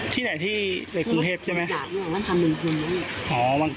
ที่ไหนที่ในกรุงเทพฯใช่ไหม